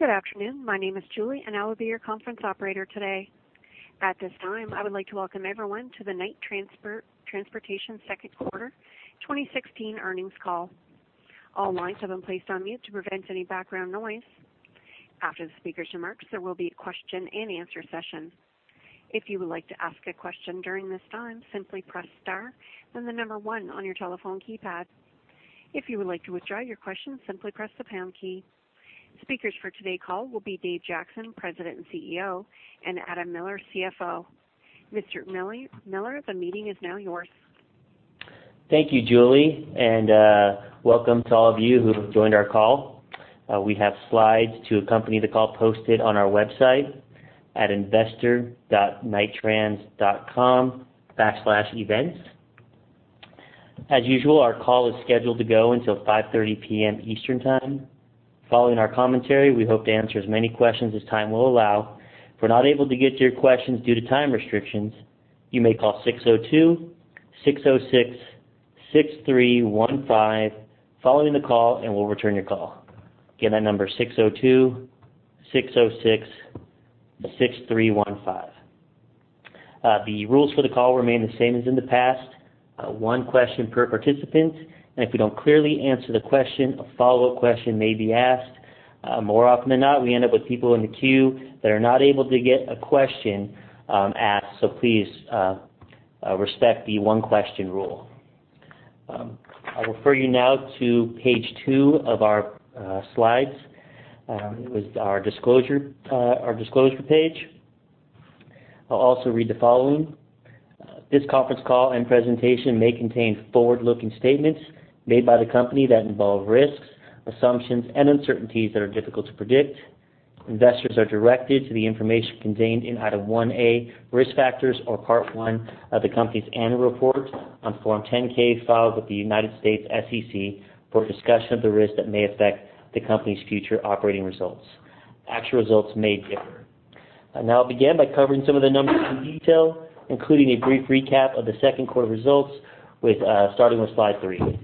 Good afternoon. My name is Julie, and I will be your conference operator today. At this time, I would like to welcome everyone to the Knight Transportation second quarter 2016 earnings call. All lines have been placed on mute to prevent any background noise. After the speaker's remarks, there will be a question-and-answer session. If you would like to ask a question during this time, simply press star, then the number one on your telephone keypad. If you would like to withdraw your question, simply press the pound key. Speakers for today's call will be Dave Jackson, President and CEO, and Adam Miller, CFO. Mr. Miller, the meeting is now yours. Thank you, Julie, and welcome to all of you who have joined our call. We have slides to accompany the call posted on our website at investor.knighttrans.com/events. As usual, our call is scheduled to go until 5:30 P.M. Eastern Time. Following our commentary, we hope to answer as many questions as time will allow. If we're not able to get to your questions due to time restrictions, you may call 602-606-6315 following the call, and we'll return your call. Again, that number is 602-606-6315. The rules for the call remain the same as in the past. One question per participant, and if we don't clearly answer the question, a follow-up question may be asked. More often than not, we end up with people in the queue that are not able to get a question asked, so please respect the one-question rule. I'll refer you now to page 2 of our slides with our disclosure, our disclosure page. I'll also read the following. This conference call and presentation may contain forward-looking statements made by the company that involve risks, assumptions, and uncertainties that are difficult to predict. Investors are directed to the information contained in Item 1A, Risk Factors or Part 1 of the company's annual report on Form 10-K, filed with the United States SEC for a discussion of the risks that may affect the company's future operating results. Actual results may differ. I now begin by covering some of the numbers in detail, including a brief recap of the second quarter results with starting with slide 3.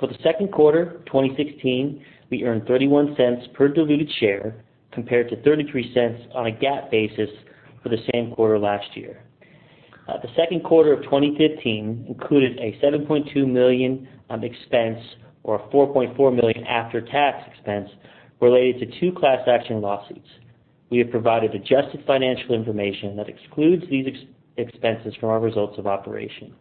For the second quarter of 2016, we earned $0.31 per diluted share, compared to $0.33 on a GAAP basis for the same quarter last year. The second quarter of 2015 included a $7.2 million expense, or a $4.4 million after-tax expense, related to two class action lawsuits. We have provided adjusted financial information that excludes these expenses from our results of operations.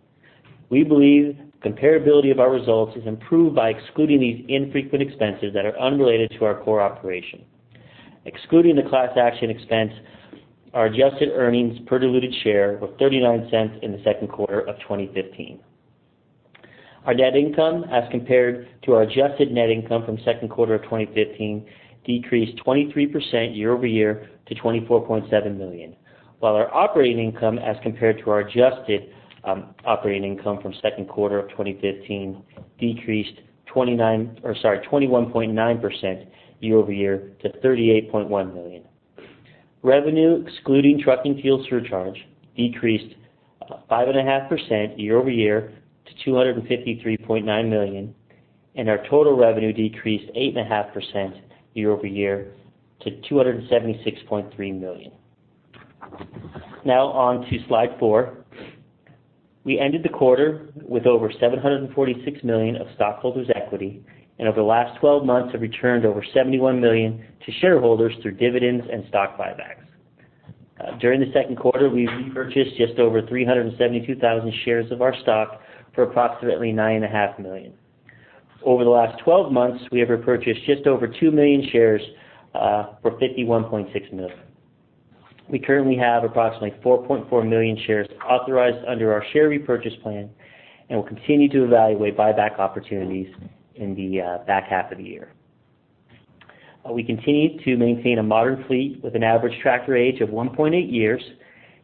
We believe comparability of our results is improved by excluding these infrequent expenses that are unrelated to our core operation. Excluding the class action expense, our adjusted earnings per diluted share were $0.39 in the second quarter of 2015. Our net income, as compared to our adjusted net income from second quarter of 2015, decreased 23% year-over-year to $24.7 million, while our operating income, as compared to our adjusted operating income from second quarter of 2015, decreased twenty-nine, or sorry, 21.9% year-over-year to $38.1 million. Revenue, excluding trucking fuel surcharge, decreased 5.5% year-over-year to $253.9 million, and our total revenue decreased 8.5% year-over-year to $276.3 million. Now on to slide 4. We ended the quarter with over $746 million of stockholders' equity, and over the last 12 months, have returned over $71 million to shareholders through dividends and stock buybacks. During the second quarter, we repurchased just over 372,000 shares of our stock for approximately $9.5 million. Over the last twelve months, we have repurchased just over 2 million shares for $51.6 million. We currently have approximately 4.4 million shares authorized under our share repurchase plan and will continue to evaluate buyback opportunities in the back half of the year. We continue to maintain a modern fleet with an average tractor age of 1.8 years.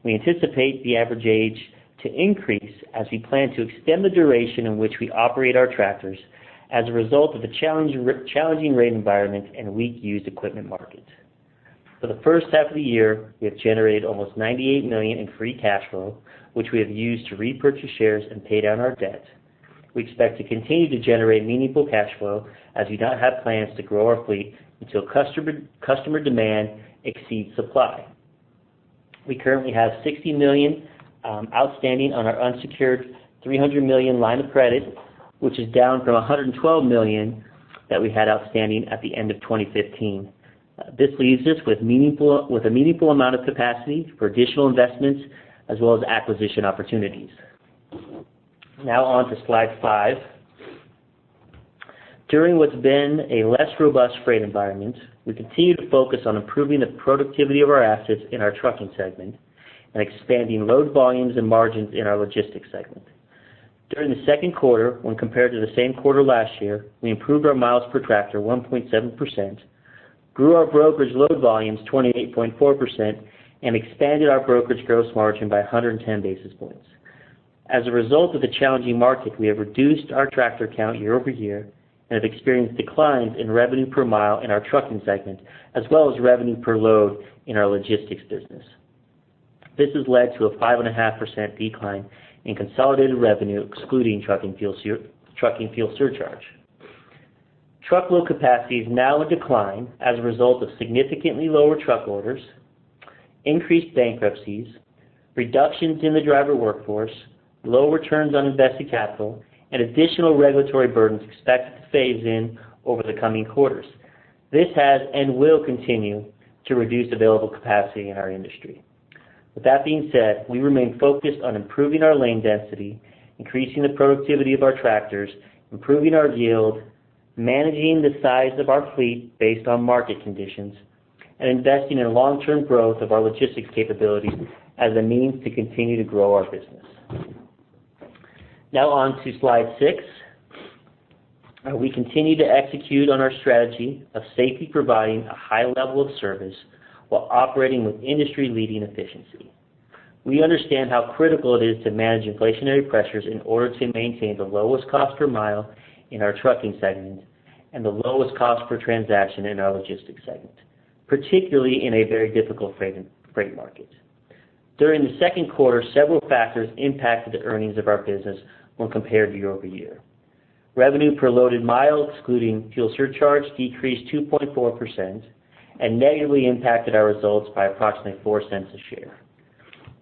We anticipate the average age to increase as we plan to extend the duration in which we operate our tractors as a result of the challenging rate environment and weak used equipment market. For the first half of the year, we have generated almost $98 million in free cash flow, which we have used to repurchase shares and pay down our debt. We expect to continue to generate meaningful cash flow as we do not have plans to grow our fleet until customer demand exceeds supply. We currently have $60 million outstanding on our unsecured $300 million line of credit, which is down from $112 million that we had outstanding at the end of 2015. This leaves us with a meaningful amount of capacity for additional investments as well as acquisition opportunities. Now on to slide 5. During what's been a less robust freight environment, we continue to focus on improving the productivity of our assets in our trucking segment and expanding load volumes and margins in our logistics segment. During the second quarter, when compared to the same quarter last year, we improved our miles per tractor 1.7%, grew our brokerage load volumes 28.4%, and expanded our brokerage gross margin by 110 basis points. As a result of the challenging market, we have reduced our tractor count year-over-year and have experienced declines in revenue per mile in our trucking segment, as well as revenue per load in our logistics business. This has led to a 5.5% decline in consolidated revenue, excluding trucking fuel surcharge. Truckload capacity is now in decline as a result of significantly lower truck orders, increased bankruptcies, reductions in the driver workforce, low returns on invested capital, and additional regulatory burdens expected to phase in over the coming quarters. This has and will continue to reduce available capacity in our industry. With that being said, we remain focused on improving our lane density, increasing the productivity of our tractors, improving our yield, managing the size of our fleet based on market conditions, and investing in long-term growth of our logistics capabilities as a means to continue to grow our business. Now on to Slide six. We continue to execute on our strategy of safely providing a high level of service while operating with industry-leading efficiency. We understand how critical it is to manage inflationary pressures in order to maintain the lowest cost per mile in our trucking segment and the lowest cost per transaction in our logistics segment, particularly in a very difficult freight market. During the second quarter, several factors impacted the earnings of our business when compared year over year. Revenue per loaded mile, excluding fuel surcharge, decreased 2.4% and negatively impacted our results by approximately $0.04 a share.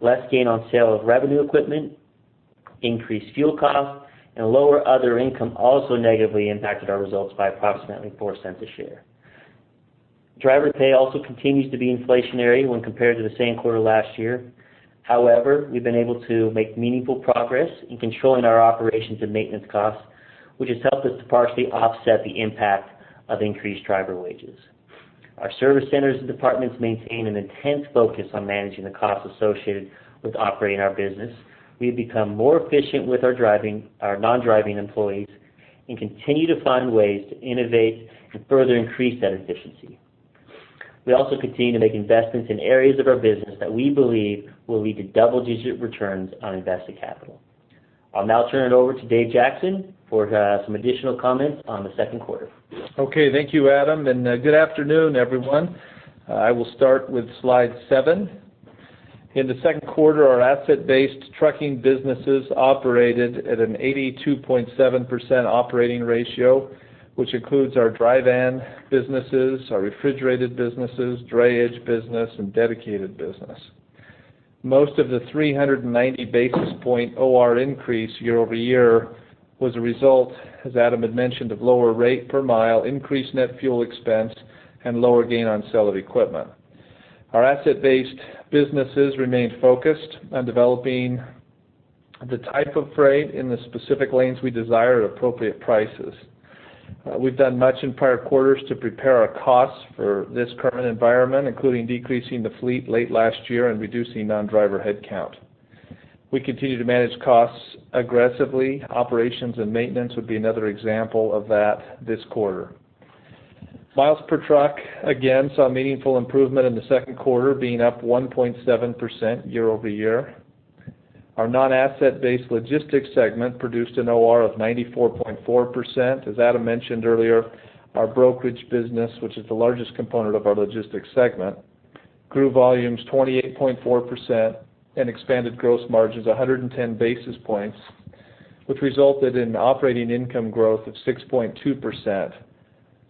Less gain on sale of revenue equipment, increased fuel costs, and lower other income also negatively impacted our results by approximately $0.04 a share. Driver pay also continues to be inflationary when compared to the same quarter last year. However, we've been able to make meaningful progress in controlling our operations and maintenance costs, which has helped us to partially offset the impact of increased driver wages. Our service centers and departments maintain an intense focus on managing the costs associated with operating our business. We have become more efficient with our non-driving employees and continue to find ways to innovate and further increase that efficiency. We also continue to make investments in areas of our business that we believe will lead to double-digit returns on invested capital. I'll now turn it over to Dave Jackson for some additional comments on the second quarter. Okay, thank you, Adam, and good afternoon, everyone. I will start with Slide 7. In the second quarter, our asset-based trucking businesses operated at an 82.7% operating ratio, which includes our Dry Van businesses, our Refrigerated businesses, Drayage business, and Dedicated business. Most of the 390 basis point OR increase year-over-year was a result, as Adam had mentioned, of lower rate per mile, increased net fuel expense, and lower gain on sale of equipment. Our asset-based businesses remain focused on developing the type of freight in the specific lanes we desire at appropriate prices. We've done much in prior quarters to prepare our costs for this current environment, including decreasing the fleet late last year and reducing non-driver headcount. We continue to manage costs aggressively. Operations and maintenance would be another example of that this quarter. Miles per truck, again, saw a meaningful improvement in the second quarter, being up 1.7% year-over-year. Our non-asset-based logistics segment produced an OR of 94.4%. As Adam mentioned earlier, our brokerage business, which is the largest component of our logistics segment, grew volumes 28.4% and expanded gross margins 110 basis points, which resulted in operating income growth of 6.2%.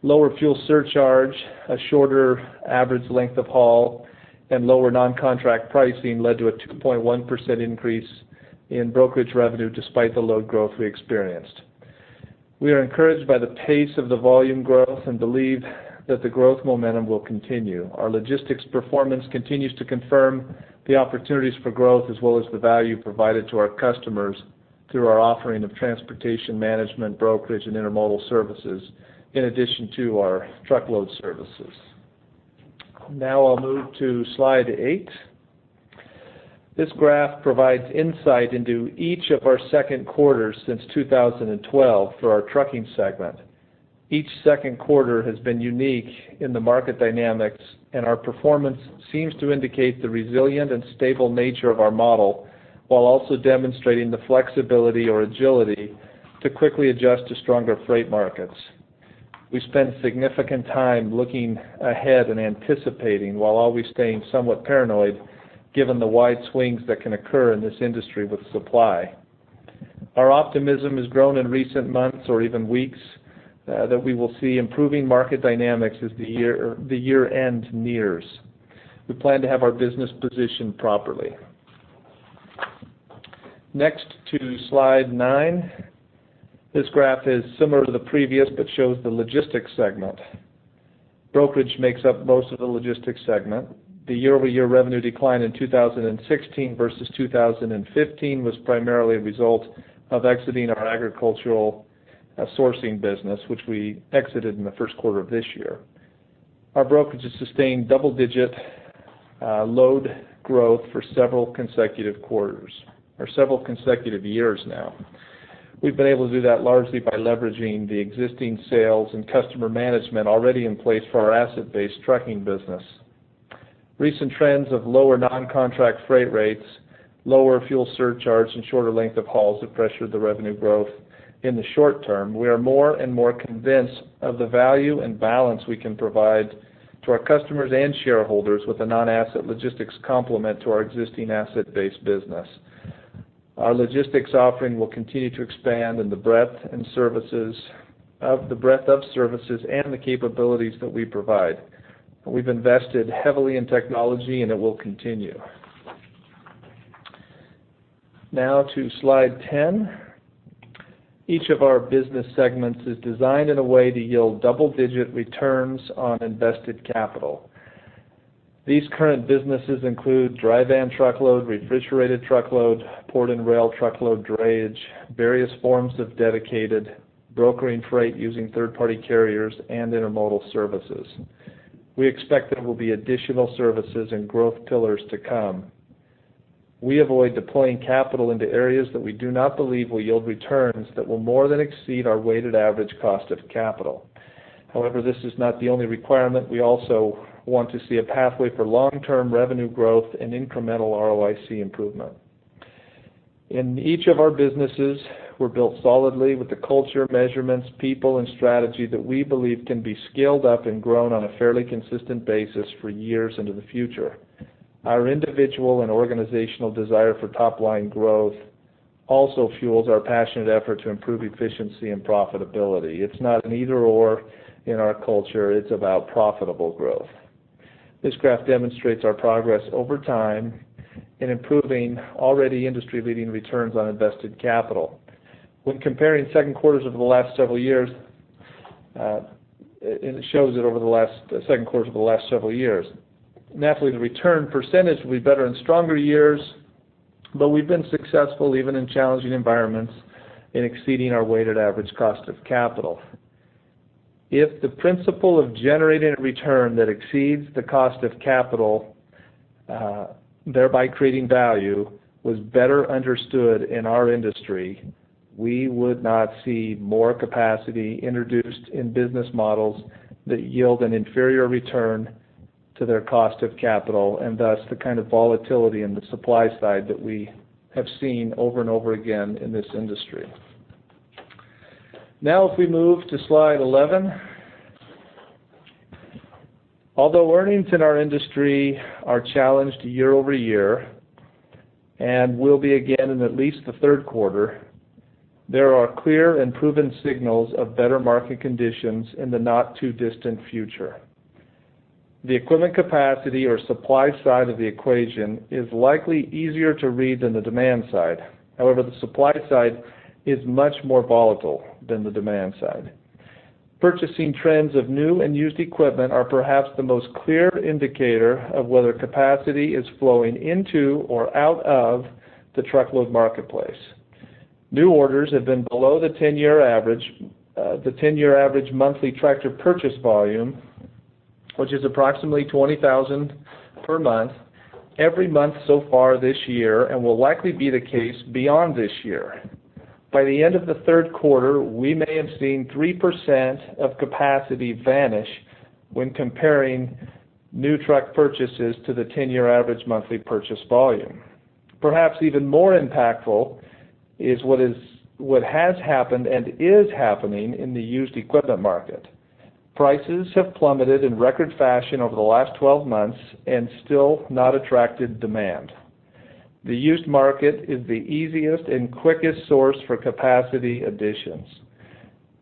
Lower fuel surcharge, a shorter average length of haul, and lower non-contract pricing led to a 2.1% increase in brokerage revenue, despite the load growth we experienced. We are encouraged by the pace of the volume growth and believe that the growth momentum will continue. Our logistics performance continues to confirm the opportunities for growth, as well as the value provided to our customers through our offering of transportation management, brokerage, and intermodal services, in addition to our truckload services. Now I'll move to Slide 8. This graph provides insight into each of our second quarters since 2012 for our trucking segment. Each second quarter has been unique in the market dynamics, and our performance seems to indicate the resilient and stable nature of our model, while also demonstrating the flexibility or agility to quickly adjust to stronger freight markets. We spend significant time looking ahead and anticipating, while always staying somewhat paranoid, given the wide swings that can occur in this industry with supply. Our optimism has grown in recent months or even weeks, that we will see improving market dynamics as the year, or the year-end nears. We plan to have our business positioned properly. Next to Slide 9. This graph is similar to the previous, but shows the logistics segment. Brokerage makes up most of the logistics segment. The year-over-year revenue decline in 2016 versus 2015 was primarily a result of exiting our agricultural sourcing business, which we exited in the first quarter of this year. Our brokerage has sustained double-digit load growth for several consecutive quarters, or several consecutive years now. We've been able to do that largely by leveraging the existing sales and customer management already in place for our asset-based trucking business. Recent trends of lower non-contract freight rates... Lower fuel surcharges and shorter length of hauls have pressured the revenue growth in the short term. We are more and more convinced of the value and balance we can provide to our customers and shareholders with a non-asset logistics complement to our existing asset-based business. Our logistics offering will continue to expand in the breadth and services, of the breadth of services and the capabilities that we provide. We've invested heavily in technology, and it will continue. Now to Slide 10. Each of our business segments is designed in a way to yield double-digit returns on invested capital. These current businesses include Dry Van truckload, Refrigerated truckload, port and rail truckload drayage, various forms of Dedicated, brokering freight using third-party carriers, and Intermodal services. We expect there will be additional services and growth pillars to come. We avoid deploying capital into areas that we do not believe will yield returns that will more than exceed our weighted average cost of capital. However, this is not the only requirement. We also want to see a pathway for long-term revenue growth and incremental ROIC improvement. In each of our businesses, we're built solidly with the culture, measurements, people, and strategy that we believe can be scaled up and grown on a fairly consistent basis for years into the future. Our individual and organizational desire for top-line growth also fuels our passionate effort to improve efficiency and profitability. It's not an either/or in our culture, it's about profitable growth. This graph demonstrates our progress over time in improving already industry-leading returns on invested capital. When comparing second quarters over the last several years, and it shows it over the last, the second quarter of the last several years. Naturally, the return percentage will be better in stronger years, but we've been successful even in challenging environments in exceeding our weighted average cost of capital. If the principle of generating a return that exceeds the cost of capital, thereby creating value, was better understood in our industry, we would not see more capacity introduced in business models that yield an inferior return to their cost of capital, and thus, the kind of volatility in the supply side that we have seen over and over again in this industry. Now, if we move to Slide 11. Although earnings in our industry are challenged year-over-year, and will be again in at least the third quarter, there are clear and proven signals of better market conditions in the not-too-distant future. The equipment capacity or supply side of the equation is likely easier to read than the demand side. However, the supply side is much more volatile than the demand side. Purchasing trends of new and used equipment are perhaps the most clear indicator of whether capacity is flowing into or out of the truckload marketplace. New orders have been below the 10-year average, the 10-year average monthly tractor purchase volume, which is approximately 20,000 per month, every month so far this year and will likely be the case beyond this year. By the end of the third quarter, we may have seen 3% of capacity vanish when comparing new truck purchases to the 10-year average monthly purchase volume. Perhaps even more impactful is what has happened and is happening in the used equipment market. Prices have plummeted in record fashion over the last 12 months and still not attracted demand. The used market is the easiest and quickest source for capacity additions.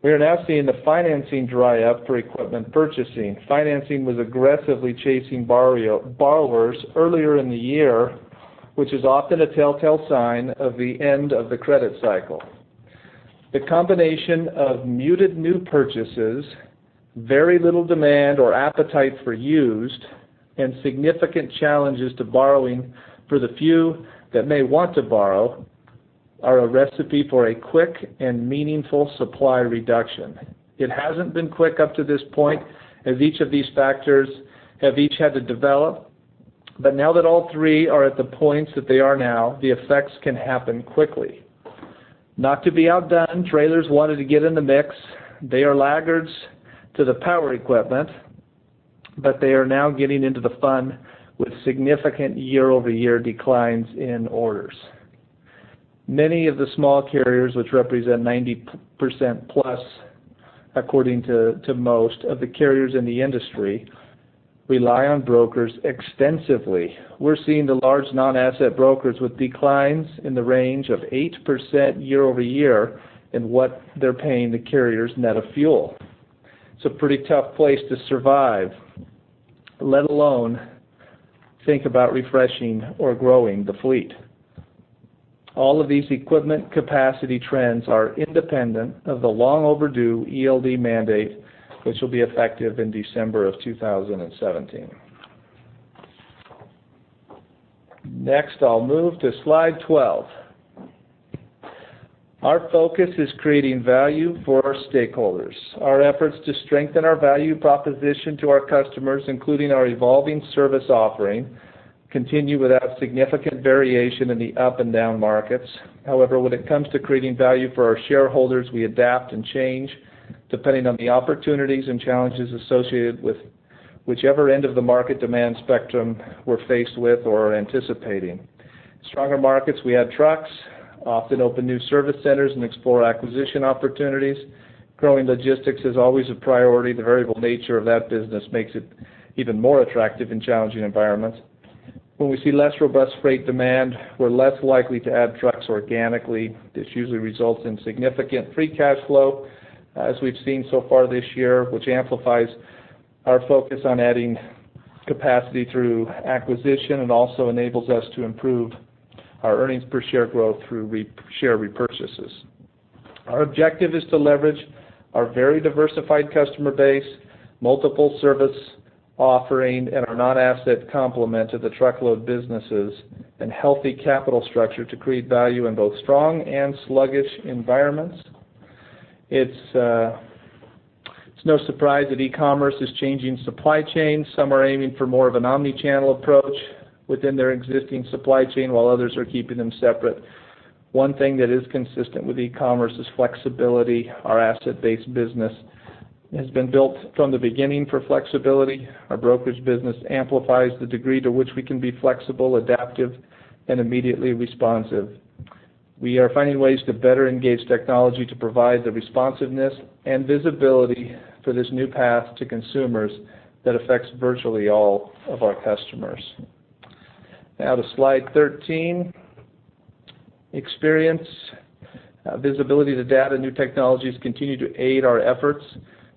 We are now seeing the financing dry up for equipment purchasing. Financing was aggressively chasing borrowers earlier in the year, which is often a telltale sign of the end of the credit cycle. The combination of muted new purchases, very little demand or appetite for used, and significant challenges to borrowing for the few that may want to borrow, are a recipe for a quick and meaningful supply reduction. It hasn't been quick up to this point, as each of these factors have each had to develop, but now that all three are at the points that they are now, the effects can happen quickly. Not to be outdone, trailers wanted to get in the mix. They are laggards to the power equipment, but they are now getting into the fun with significant year-over-year declines in orders. Many of the small carriers, which represent 90%+, according to most of the carriers in the industry, rely on brokers extensively. We're seeing the large non-asset brokers with declines in the range of 8% year-over-year in what they're paying the carriers net of fuel. It's a pretty tough place to survive, let alone think about refreshing or growing the fleet. All of these equipment capacity trends are independent of the long overdue ELD mandate, which will be effective in December of 2017. Next, I'll move to Slide 12. Our focus is creating value for our stakeholders. Our efforts to strengthen our value proposition to our customers, including our evolving service offering, continue without significant variation in the up and down markets. However, when it comes to creating value for our shareholders, we adapt and change depending on the opportunities and challenges associated with whichever end of the market demand spectrum we're faced with or are anticipating. Stronger markets, we add trucks, often open new service centers, and explore acquisition opportunities. Growing logistics is always a priority. The variable nature of that business makes it even more attractive in challenging environments. When we see less robust freight demand, we're less likely to add trucks organically. This usually results in significant free cash flow, as we've seen so far this year, which amplifies our focus on adding capacity through acquisition, and also enables us to improve our earnings per share growth through share repurchases. Our objective is to leverage our very diversified customer base, multiple service offering, and our non-asset complement to the truckload businesses and healthy capital structure to create value in both strong and sluggish environments. It's no surprise that e-commerce is changing supply chain. Some are aiming for more of an omni-channel approach within their existing supply chain, while others are keeping them separate. One thing that is consistent with e-commerce is flexibility. Our asset-based business has been built from the beginning for flexibility. Our brokerage business amplifies the degree to which we can be flexible, adaptive, and immediately responsive. We are finding ways to better engage technology to provide the responsiveness and visibility for this new path to consumers that affects virtually all of our customers. Now to Slide 13, expanding visibility to data, new technologies continue to aid our efforts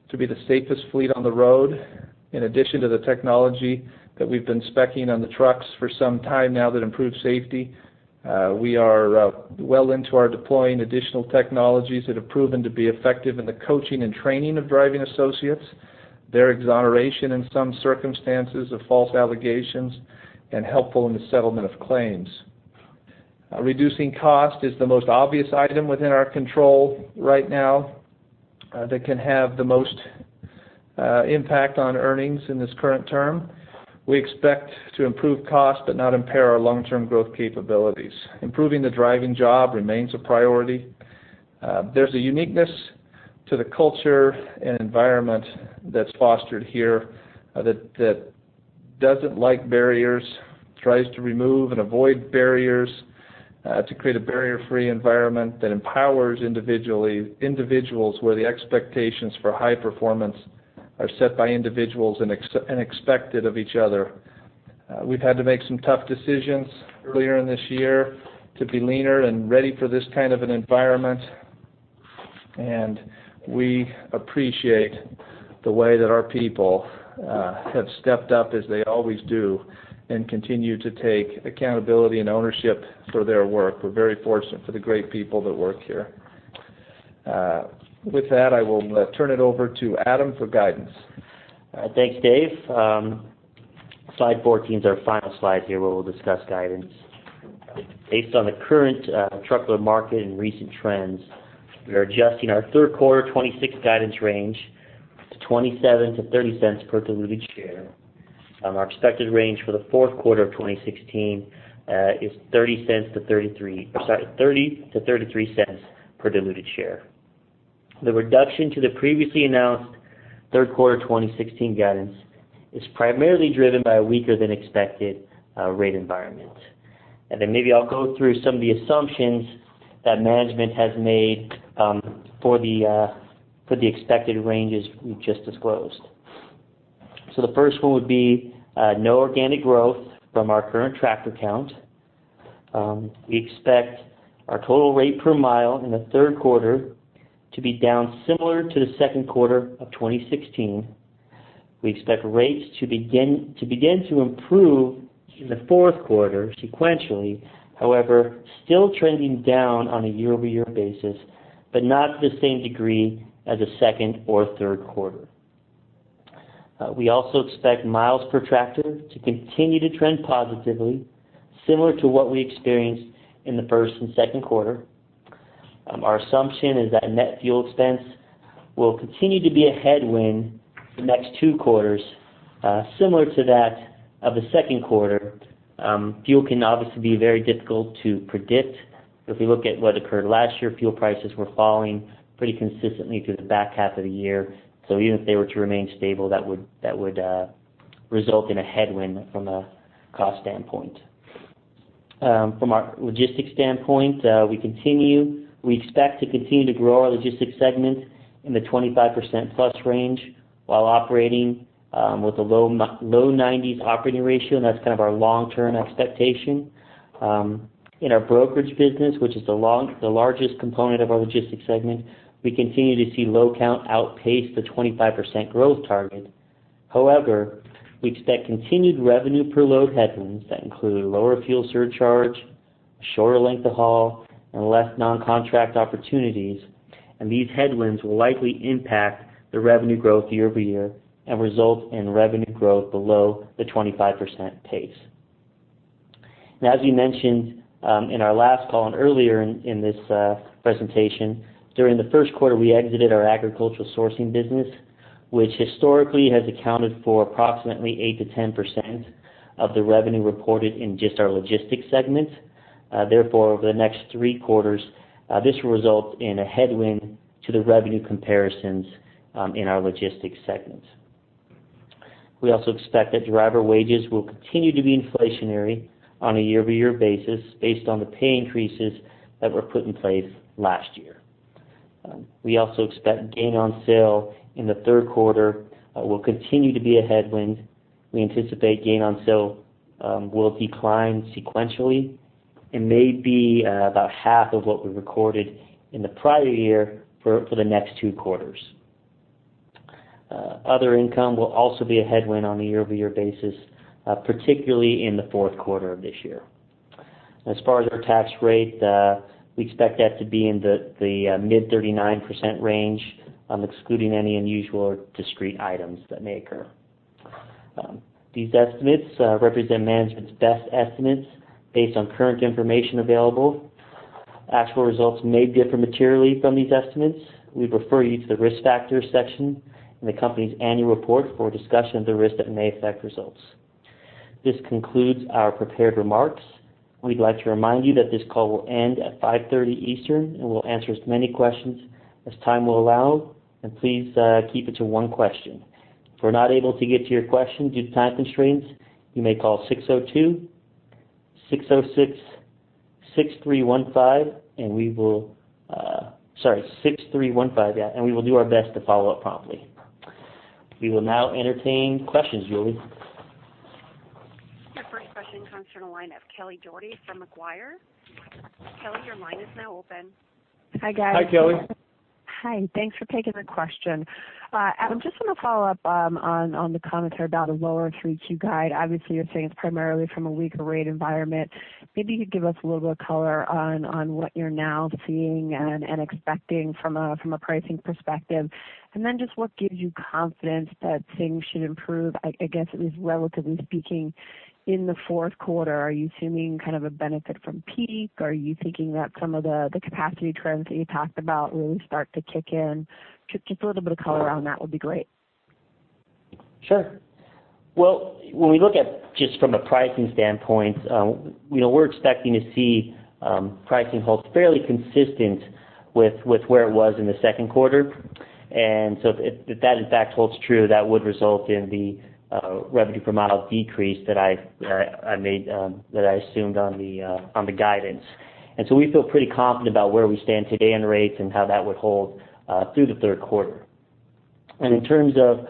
to be the safest fleet on the road. In addition to the technology that we've been speccing on the trucks for some time now that improves safety, we are well into our deploying additional technologies that have proven to be effective in the coaching and training of driving associates, their exoneration in some circumstances of false allegations, and helpful in the settlement of claims. Reducing cost is the most obvious item within our control right now that can have the most impact on earnings in this current term. We expect to improve costs, but not impair our long-term growth capabilities. Improving the driving job remains a priority. There's a uniqueness to the culture and environment that's fostered here, that doesn't like barriers, tries to remove and avoid barriers, to create a barrier-free environment that empowers individuals, where the expectations for high performance are set by individuals and expected of each other. We've had to make some tough decisions earlier in this year to be leaner and ready for this kind of an environment, and we appreciate the way that our people have stepped up as they always do, and continue to take accountability and ownership for their work. We're very fortunate for the great people that work here. With that, I will turn it over to Adam for guidance. Thanks, Dave. Slide 14 is our final slide here, where we'll discuss guidance. Based on the current truckload market and recent trends, we are adjusting our third quarter 2016 guidance range to $0.27-$0.30 per diluted share. Our expected range for the fourth quarter of 2016 is 30 cents to 33... I'm sorry, 30-33 cents per diluted share. The reduction to the previously announced third quarter 2016 guidance is primarily driven by a weaker-than-expected rate environment. Then maybe I'll go through some of the assumptions that management has made for the expected ranges we've just disclosed. So the first one would be no organic growth from our current tractor count. We expect our total rate per mile in the third quarter to be down similar to the second quarter of 2016. We expect rates to begin to improve in the fourth quarter sequentially, however, still trending down on a year-over-year basis, but not to the same degree as the second or third quarter. We also expect miles per tractor to continue to trend positively, similar to what we experienced in the first and second quarter. Our assumption is that net fuel expense will continue to be a headwind the next two quarters, similar to that of the second quarter. Fuel can obviously be very difficult to predict. If we look at what occurred last year, fuel prices were falling pretty consistently through the back half of the year. So even if they were to remain stable, that would result in a headwind from a cost standpoint. From our logistics standpoint, we expect to continue to grow our logistics segment in the 25%+ range, while operating with a low 90s operating ratio, and that's kind of our long-term expectation. In our brokerage business, which is the largest component of our logistics segment, we continue to see load count outpace the 25% growth target. However, we expect continued revenue per load headwinds that include a lower fuel surcharge, a shorter length of haul, and less non-contract opportunities, and these headwinds will likely impact the revenue growth year-over-year and result in revenue growth below the 25% pace. Now, as we mentioned, in our last call and earlier in this presentation, during the first quarter, we exited our agricultural sourcing business, which historically has accounted for approximately 8%-10% of the revenue reported in just our logistics segment. Therefore, over the next three quarters, this will result in a headwind to the revenue comparisons in our logistics segment. We also expect that driver wages will continue to be inflationary on a year-over-year basis, based on the pay increases that were put in place last year. We also expect gain on sale in the third quarter will continue to be a headwind. We anticipate gain on sale will decline sequentially and may be about half of what we recorded in the prior year for the next two quarters. Other income will also be a headwind on a year-over-year basis, particularly in the fourth quarter of this year. As far as our tax rate, we expect that to be in the mid-39% range, excluding any unusual or discrete items that may occur. These estimates represent management's best estimates based on current information available. Actual results may differ materially from these estimates. We refer you to the Risk Factors section in the company's annual report for a discussion of the risks that may affect results. This concludes our prepared remarks. We'd like to remind you that this call will end at 5:30 P.M. Eastern, and we'll answer as many questions as time will allow, and please, keep it to one question. If we're not able to get to your question due to time constraints, you may call 602-606-6315, and we will do our best to follow up promptly. We will now entertain questions. Julie? Our first question comes from the line of Kelly Dougherty from Macquarie. Kelly, your line is now open. Hi, guys. Hi, Kelly. Hi, thanks for taking the question. Adam, just want to follow up on the commentary about a lower 3Q guide. Obviously, you're saying it's primarily from a weaker rate environment. Maybe you could give us a little bit of color on what you're now seeing and expecting from a pricing perspective. And then just what gives you confidence that things should improve, I guess, at least relatively speaking, in the fourth quarter? Are you assuming kind of a benefit from peak, or are you thinking that some of the capacity trends that you talked about really start to kick in? Just a little bit of color around that would be great. Sure. Well, when we look at just from a pricing standpoint, you know, we're expecting to see pricing hold fairly consistent with where it was in the second quarter. And so if that, in fact, holds true, that would result in the revenue per mile decrease that I made that I assumed on the guidance. And so we feel pretty confident about where we stand today on the rates and how that would hold through the third quarter. And in terms of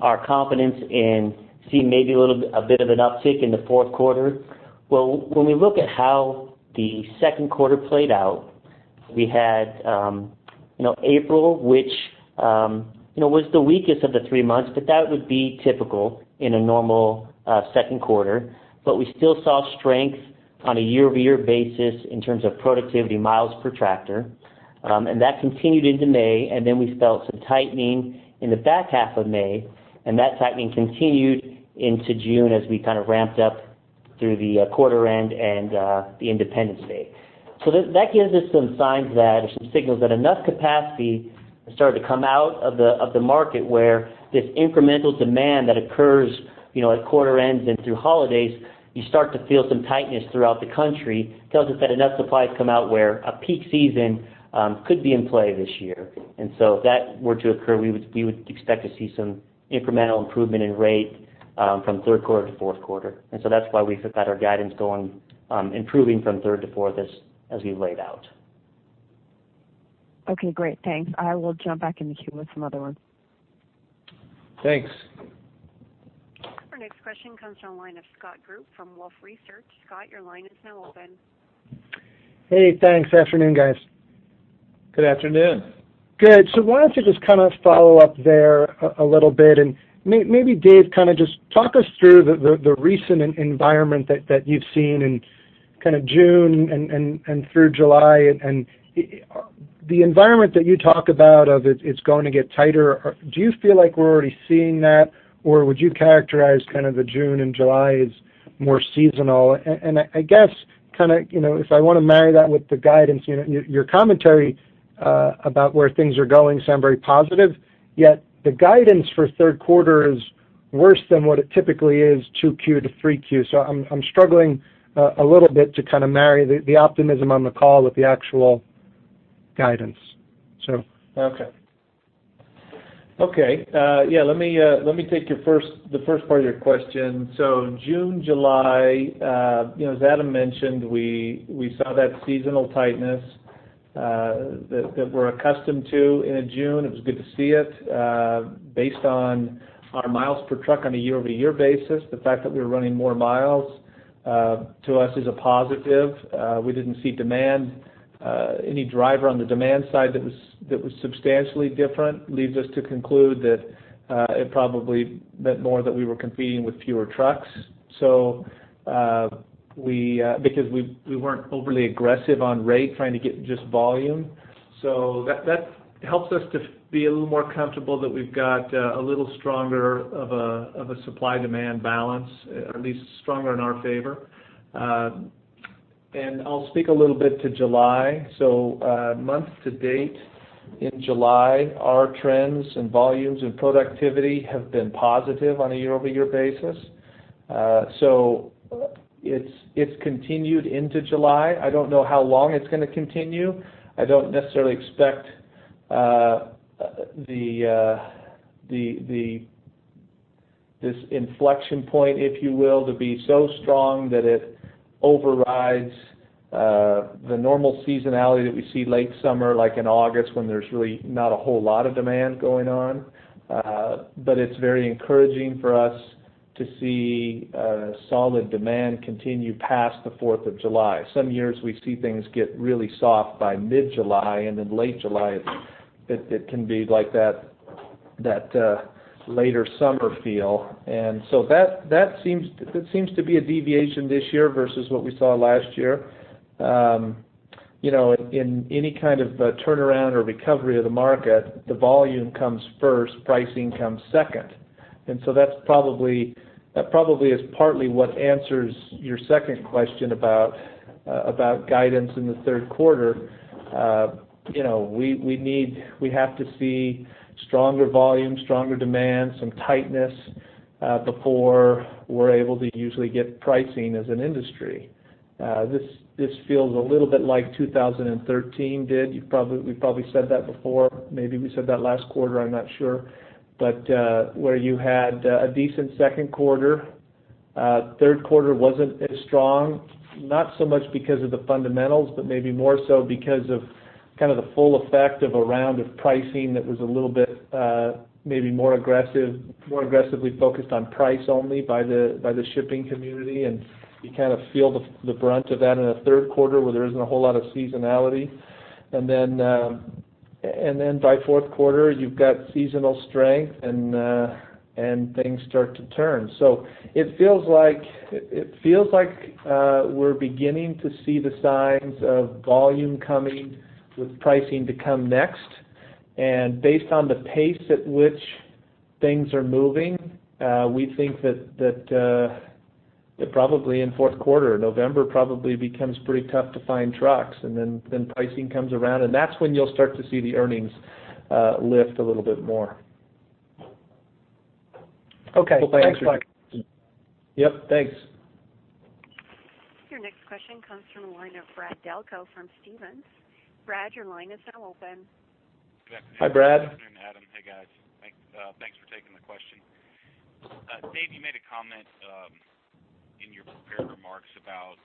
our confidence in seeing maybe a little bit, a bit of an uptick in the fourth quarter, well, when we look at how the second quarter played out, we had you know, April, which you know, was the weakest of the three months, but that would be typical in a normal second quarter. But we still saw strength on a year-over-year basis in terms of productivity miles per tractor, and that continued into May, and then we felt some tightening in the back half of May, and that tightening continued into June as we kind of ramped up through the quarter end and the Independence Day. So that, that gives us some signs that, or some signals that enough capacity has started to come out of the, of the market, where this incremental demand that occurs, you know, at quarter ends and through holidays, you start to feel some tightness throughout the country, tells us that enough supply has come out where a peak season could be in play this year. And so if that were to occur, we would, we would expect to see some incremental improvement in rate from third quarter to fourth quarter. So that's why we've got our guidance going, improving from third to fourth as we've laid out. Okay, great. Thanks. I will jump back in the queue with some other ones. Thanks. Our next question comes from the line of Scott Group from Wolfe Research. Scott, your line is now open. Hey, thanks. Afternoon, guys. Good afternoon. Good. So why don't you just kind of follow up there a little bit, and maybe, Dave, kind of just talk us through the recent environment that you've seen in kind of June and through July. The environment that you talk about, it's going to get tighter, do you feel like we're already seeing that, or would you characterize kind of the June and July as more seasonal? I guess kind of, you know, if I want to marry that with the guidance, you know, your commentary about where things are going sound very positive, yet the guidance for third quarter is worse than what it typically is, 2Q to 3Q. I'm struggling a little bit to kind of marry the optimism on the call with the actual guidance, so. Okay. Okay, yeah, let me take your first, the first part of your question. So June, July, you know, as Adam mentioned, we saw that seasonal tightness that we're accustomed to in a June. It was good to see it based on our miles per truck on a year-over-year basis. The fact that we were running more miles to us is a positive. We didn't see demand any driver on the demand side that was substantially different, leads us to conclude that it probably meant more that we were competing with fewer trucks. So, because we weren't overly aggressive on rate, trying to get just volume. So that helps us to be a little more comfortable that we've got a little stronger of a supply-demand balance, at least stronger in our favor. I'll speak a little bit to July. Month to date in July, our trends and volumes and productivity have been positive on a year-over-year basis. It's continued into July. I don't know how long it's going to continue. I don't necessarily expect this inflection point, if you will, to be so strong that it overrides the normal seasonality that we see late summer, like in August, when there's really not a whole lot of demand going on. But it's very encouraging for us to see solid demand continue past the Fourth of July. Some years, we see things get really soft by mid-July, and then late July, it can be like that later summer feel. And so that seems to be a deviation this year versus what we saw last year. You know, in any kind of turnaround or recovery of the market, the volume comes first, pricing comes second. And so that's probably that probably is partly what answers your second question about guidance in the third quarter. You know, we need we have to see stronger volume, stronger demand, some tightness before we're able to usually get pricing as an industry. This feels a little bit like 2013 did. You've probably we've probably said that before. Maybe we said that last quarter, I'm not sure. But where you had a decent second quarter, third quarter wasn't as strong, not so much because of the fundamentals, but maybe more so because of kind of the full effect of a round of pricing that was a little bit, maybe more aggressive, more aggressively focused on price only by the shipping community, and you kind of feel the brunt of that in the third quarter, where there isn't a whole lot of seasonality. And then, and then by fourth quarter, you've got seasonal strength, and things start to turn. So it feels like, we're beginning to see the signs of volume coming, with pricing to come next. And based on the pace at which things are moving, we think that probably in fourth quarter, November probably becomes pretty tough to find trucks, and then pricing comes around, and that's when you'll start to see the earnings lift a little bit more. Okay. Thanks, Mike. Hope I answered. Yep, thanks. Your next question comes from the line of Brad Delco from Stephens. Brad, your line is now open. Hi, Brad. Good afternoon, Adam. Hey, guys. Thanks for taking the question. Dave, you made a comment in your prepared remarks about,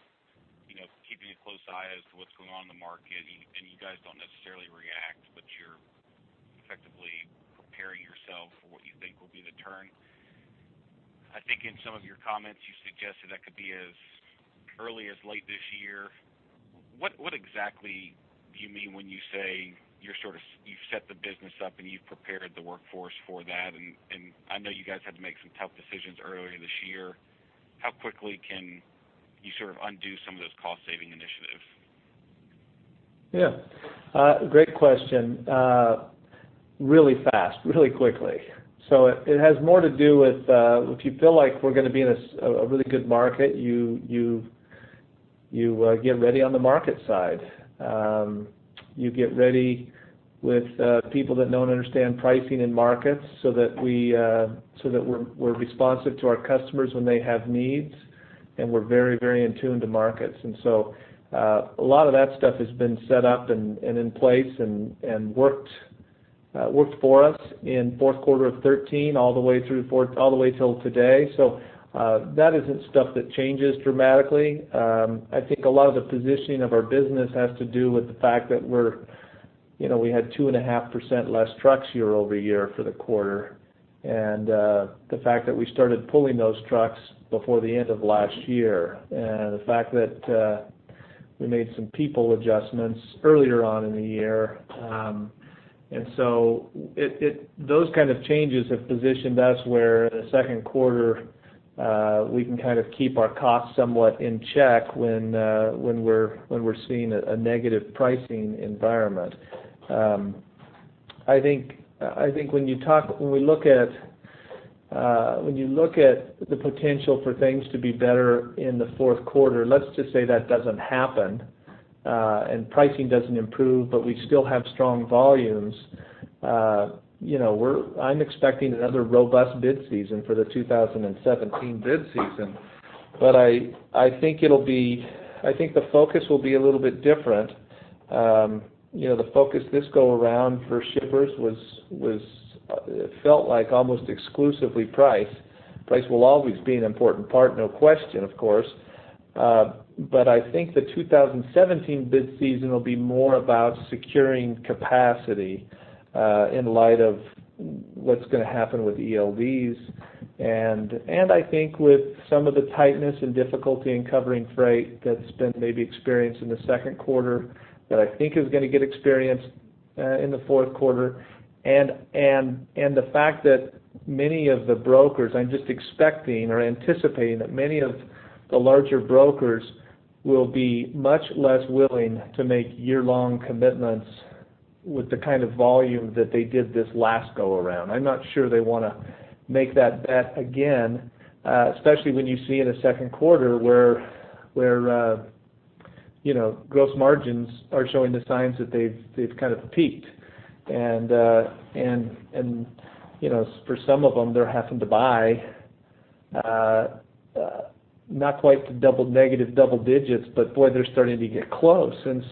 you know, keeping a close eye as to what's going on in the market, and, and you guys don't necessarily react, but you're effectively preparing yourself for what you think will be the turn. I think in some of your comments, you suggested that could be as early as late this year. What exactly do you mean when you say you're sort of you've set the business up, and you've prepared the workforce for that? And, and I know you guys had to make some tough decisions earlier this year. How quickly can you sort of undo some of those cost-saving initiatives? Yeah. Great question. Really fast, really quickly. So it has more to do with if you feel like we're gonna be in a really good market, you get ready on the market side. You get ready with people that know and understand pricing and markets so that we're responsive to our customers when they have needs, and we're very, very in tune to markets. And so, a lot of that stuff has been set up and in place and worked for us in fourth quarter of 2013, all the way through all the way till today. So, that isn't stuff that changes dramatically. I think a lot of the positioning of our business has to do with the fact that we're, you know, we had 2.5% less trucks year-over-year for the quarter, and the fact that we started pulling those trucks before the end of last year, and the fact that we made some people adjustments earlier on in the year. And so those kind of changes have positioned us where, in the second quarter, we can kind of keep our costs somewhat in check when we're seeing a negative pricing environment. I think when we look at the potential for things to be better in the fourth quarter, let's just say that doesn't happen, and pricing doesn't improve, but we still have strong volumes. You know, we're... I'm expecting another robust bid season for the 2017 bid season, but I think the focus will be a little bit different. You know, the focus this go around for shippers was, it felt like almost exclusively price. Price will always be an important part, no question, of course. But I think the 2017 bid season will be more about securing capacity, in light of what's gonna happen with ELDs, and I think with some of the tightness and difficulty in covering freight that's been maybe experienced in the second quarter, that I think is gonna get experienced, in the fourth quarter. And the fact that many of the brokers, I'm just expecting or anticipating, that many of the larger brokers will be much less willing to make year-long commitments with the kind of volume that they did this last go around. I'm not sure they wanna make that bet again, especially when you see in the second quarter where you know, gross margins are showing the signs that they've kind of peaked. And, and, you know, for some of them, they're having to buy, not quite to double negative double digits, but boy, they're starting to get close. And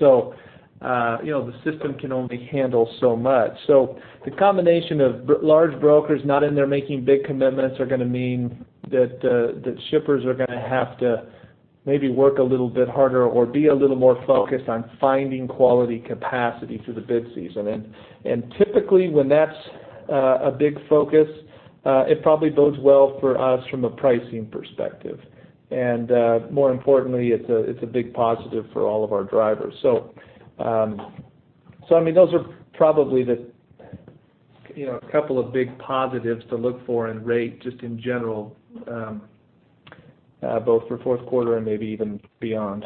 so, you know, the system can only handle so much. So the combination of large brokers not in there making big commitments are going to mean that, that shippers are going to have to maybe work a little bit harder or be a little more focused on finding quality capacity through the bid season. And, and typically, when that's a big focus, it probably bodes well for us from a pricing perspective. And, more importantly, it's a, it's a big positive for all of our drivers. So, I mean, those are probably the, you know, a couple of big positives to look for in rate, just in general, both for fourth quarter and maybe even beyond.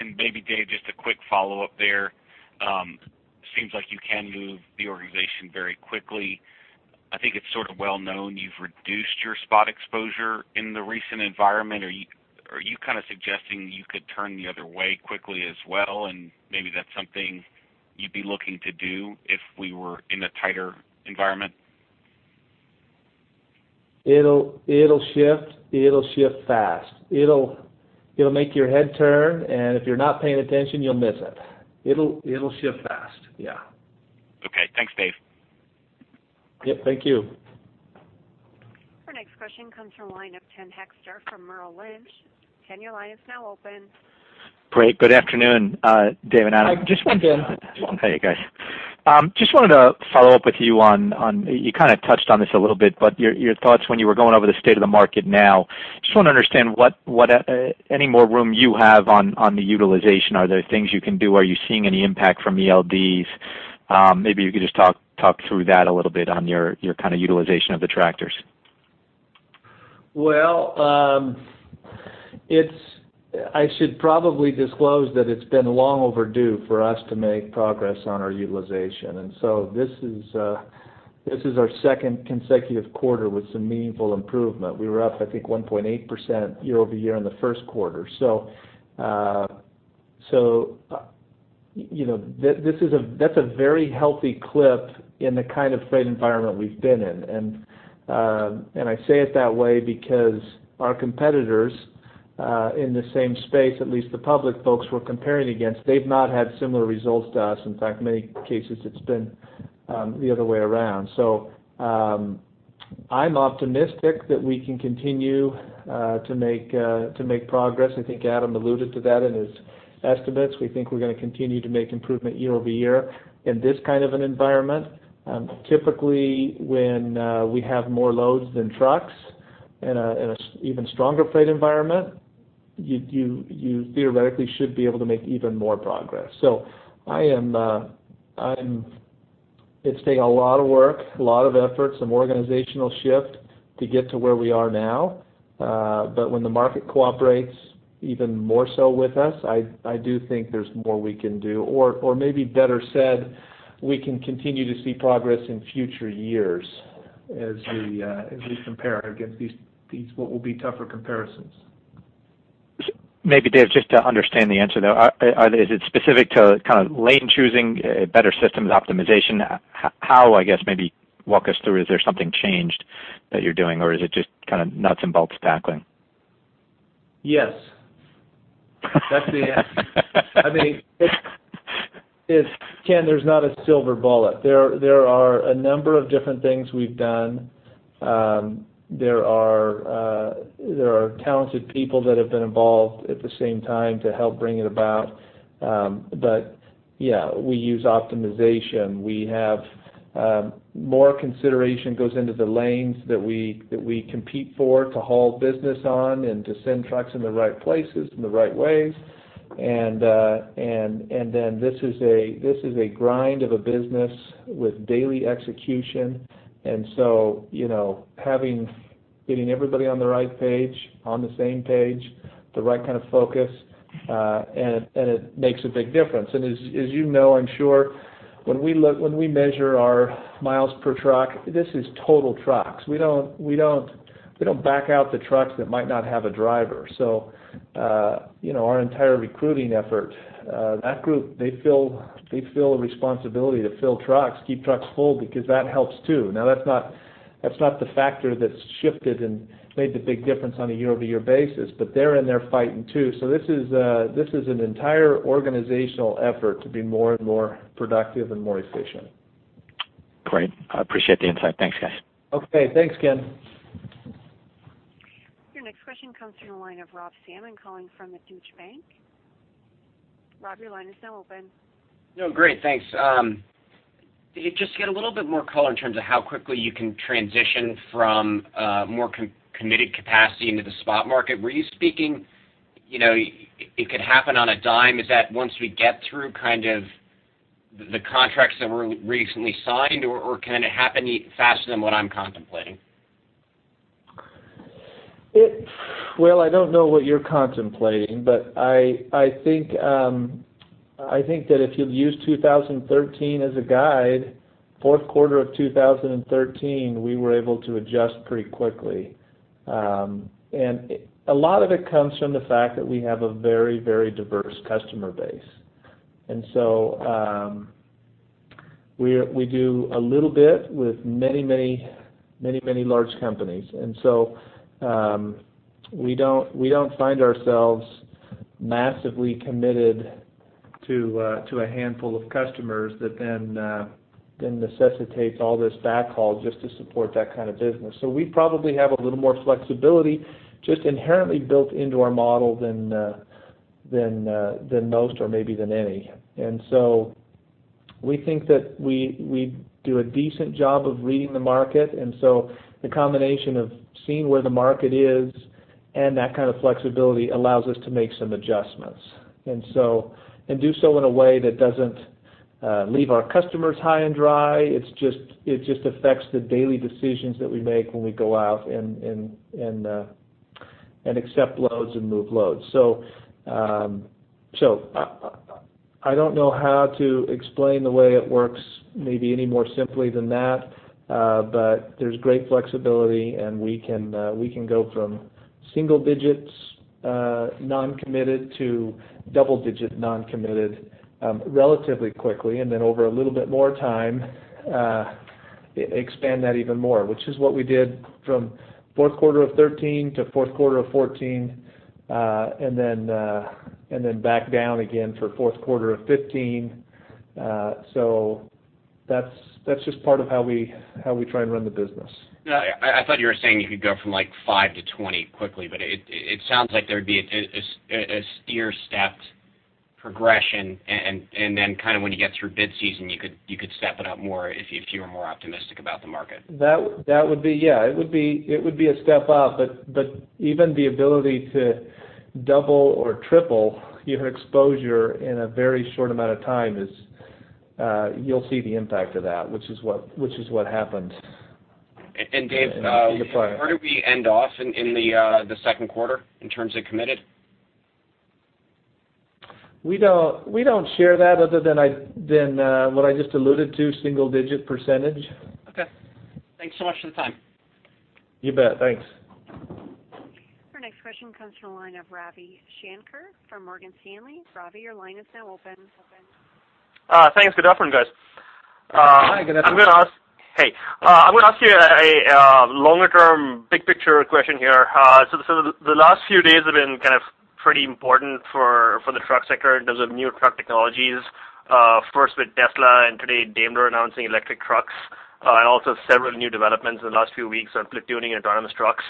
Maybe, Dave, just a quick follow-up there. Seems like you can move the organization very quickly. I think it's sort of well known you've reduced your spot exposure in the recent environment. Are you, are you kind of suggesting you could turn the other way quickly as well, and maybe that's something you'd be looking to do if we were in a tighter environment? It'll shift. It'll shift fast. It'll make your head turn, and if you're not paying attention, you'll miss it. It'll shift fast. Yeah. Okay. Thanks, Dave. Yep, thank you. Our next question comes from the line of Ken Hoexter from Merrill Lynch. Ken, your line is now open. Great. Good afternoon, Dave and Adam. Hi, Ken. Hey, guys. Just wanted to follow up with you on... You kind of touched on this a little bit, but your thoughts when you were going over the state of the market now. Just want to understand what any more room you have on the utilization. Are there things you can do? Are you seeing any impact from ELDs? Maybe you could just talk through that a little bit on your kind of utilization of the tractors. Well, I should probably disclose that it's been long overdue for us to make progress on our utilization, and so this is our second consecutive quarter with some meaningful improvement. We were up, I think, 1.8% year-over-year in the first quarter. So you know, that's a very healthy clip in the kind of freight environment we've been in. And I say it that way because our competitors in the same space, at least the public folks we're comparing against, they've not had similar results to us. In fact, in many cases, it's been the other way around. So I'm optimistic that we can continue to make progress. I think Adam alluded to that in his estimates. We think we're going to continue to make improvement year over year in this kind of an environment. Typically, when we have more loads than trucks in a even stronger freight environment, you theoretically should be able to make even more progress. So I am, I'm... It's taking a lot of work, a lot of effort, some organizational shift to get to where we are now. But when the market cooperates even more so with us, I do think there's more we can do, or maybe better said, we can continue to see progress in future years as we, as we compare against these, these what will be tougher comparisons. Maybe, Dave, just to understand the answer, though. Are, are, is it specific to kind of lane choosing, better systems optimization? How, I guess, maybe walk us through, is there something changed that you're doing, or is it just kind of nuts and bolts tackling? Yes. That's the answer. I mean, it's Ken, there's not a silver bullet. There are a number of different things we've done. There are talented people that have been involved at the same time to help bring it about. But yeah, we use optimization. We have more consideration goes into the lanes that we compete for to haul business on and to send trucks in the right places, in the right ways. And then this is a grind of a business with daily execution. And so, you know, getting everybody on the right page, on the same page, the right kind of focus, and it makes a big difference. And as you know, I'm sure, when we measure our miles per truck, this is total trucks. We don't back out the trucks that might not have a driver. So, you know, our entire recruiting effort, that group, they feel a responsibility to fill trucks, keep trucks full, because that helps, too. Now, that's not the factor that's shifted and made the big difference on a year-over-year basis, but they're in there fighting, too. So this is an entire organizational effort to be more and more productive and more efficient. Great. I appreciate the insight. Thanks, guys. Okay, thanks, Ken. Your next question comes from the line of Rob Salmon, calling from the Deutsche Bank. Rob, your line is now open. No, great, thanks. Did you just get a little bit more color in terms of how quickly you can transition from more committed capacity into the spot market? Were you speaking, you know, it, it could happen on a dime? Is that once we get through kind of the contracts that were recently signed, or, or can it happen any faster than what I'm contemplating? Well, I don't know what you're contemplating, but I think that if you'll use 2013 as a guide, fourth quarter of 2013, we were able to adjust pretty quickly. And a lot of it comes from the fact that we have a very, very diverse customer base. And so, we do a little bit with many, many, many, many large companies. And so, we don't, we don't find ourselves massively committed to a handful of customers that then necessitates all this backhaul just to support that kind of business. So we probably have a little more flexibility just inherently built into our model than, than, than most or maybe than any. And so we think that we, we do a decent job of reading the market, and so the combination of seeing where the market is and that kind of flexibility allows us to make some adjustments. And so and do so in a way that doesn't leave our customers high and dry. It's just, it just affects the daily decisions that we make when we go out and accept loads and move loads. So I don't know how to explain the way it works maybe any more simply than that, but there's great flexibility, and we can go from single digits non-committed to double digit non-committed relatively quickly, and then over a little bit more time expand that even more, which is what we did from fourth quarter of 2013 to fourth quarter of 2014, and then back down again for fourth quarter of 2015. So that's just part of how we try and run the business. Yeah, I thought you were saying you could go from, like, 5 to 20 quickly, but it sounds like there'd be a stair-stepped progression, and then kind of when you get through bid season, you could step it up more if you were more optimistic about the market. That would be... Yeah, it would be a step up. But even the ability to double or triple your exposure in a very short amount of time is, you'll see the impact of that, which is what happened. And Dave, Sure. Where do we end off in the second quarter in terms of committed? We don't share that other than what I just alluded to, single digit percentage. Okay. Thanks so much for the time. You bet. Thanks. Our next question comes from the line of Ravi Shanker from Morgan Stanley. Ravi, your line is now open. Thanks. Good afternoon, guys. Hi, good afternoon. I'm gonna ask you a longer-term, big picture question here. So, the last few days have been kind of pretty important for the truck sector in terms of new truck technologies, first with Tesla, and today, Daimler announcing electric trucks, and also several new developments in the last few weeks on platooning and autonomous trucks.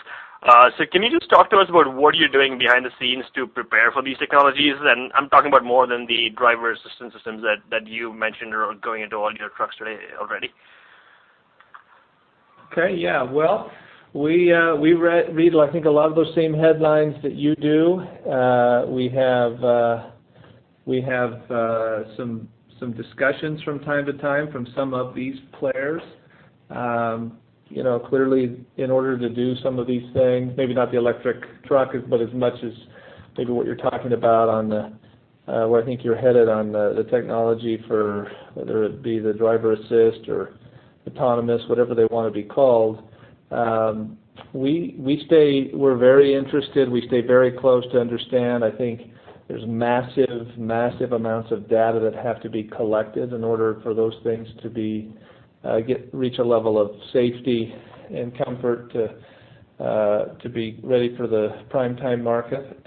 So can you just talk to us about what you're doing behind the scenes to prepare for these technologies? And I'm talking about more than the driver assistance systems that you mentioned are going into all your trucks today already. Okay. Yeah. Well, we read, I think, a lot of those same headlines that you do. We have some discussions from time to time from some of these players. You know, clearly, in order to do some of these things, maybe not the electric truck, but as much as maybe what you're talking about on the, where I think you're headed on the, the technology for whether it be the driver assist or autonomous, whatever they want to be called. We stay, we're very interested, we stay very close to understand. I think there's massive amounts of data that have to be collected in order for those things to be, reach a level of safety and comfort to, to be ready for the primetime market.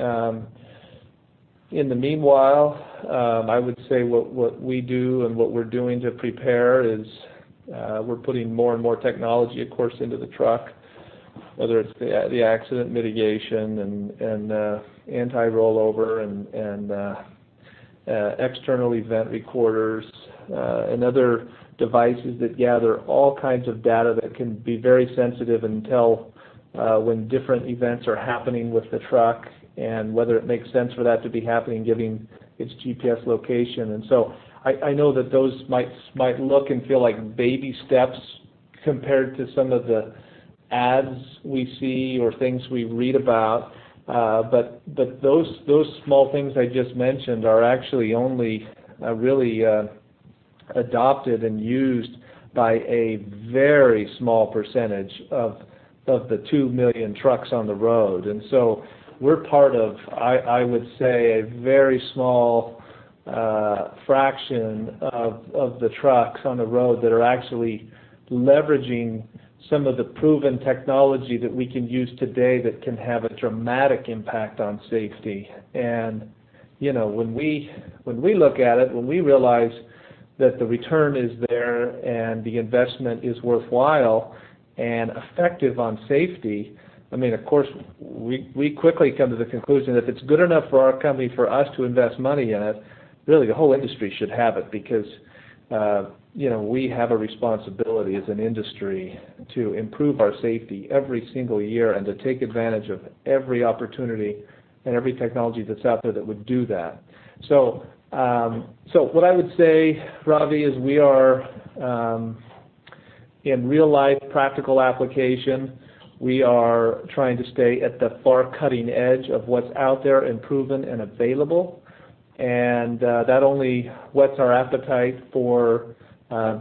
In the meanwhile, I would say what we do and what we're doing to prepare is, we're putting more and more technology, of course, into the truck, whether it's the accident mitigation and anti-rollover and external event recorders and other devices that gather all kinds of data that can be very sensitive and tell when different events are happening with the truck, and whether it makes sense for that to be happening, given its GPS location. And so I know that those might look and feel like baby steps compared to some of the ads we see or things we read about, but those small things I just mentioned are actually only really adopted and used by a very small percentage of the 2 million trucks on the road. And so we're part of, I would say, a very small fraction of the trucks on the road that are actually leveraging some of the proven technology that we can use today that can have a dramatic impact on safety. And, you know, when we look at it, when we realize that the return is there and the investment is worthwhile and effective on safety, I mean, of course, we quickly come to the conclusion, if it's good enough for our company, for us to invest money in it, really, the whole industry should have it because, you know, we have a responsibility as an industry to improve our safety every single year and to take advantage of every opportunity and every technology that's out there that would do that. So what I would say, Ravi, is we are... In real life practical application, we are trying to stay at the far cutting edge of what's out there and proven and available. That only whets our appetite for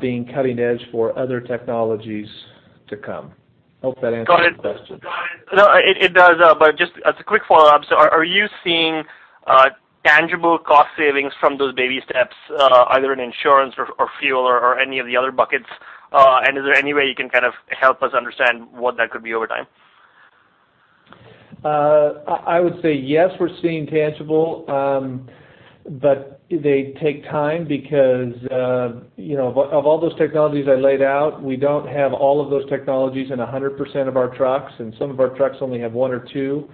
being cutting edge for other technologies to come. Hope that answers your question. Got it. Got it. No, it does. But just as a quick follow-up, so are you seeing tangible cost savings from those baby steps, either in insurance or fuel or any of the other buckets? And is there any way you can kind of help us understand what that could be over time? I would say, yes, we're seeing tangible. But they take time because, you know, of all those technologies I laid out, we don't have all of those technologies in 100% of our trucks, and some of our trucks only have one or two.